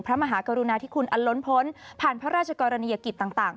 พระมหากรุณาที่คุณอลล้นพลผ่านพระราชกรณียกิจต่าง